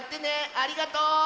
ありがとう！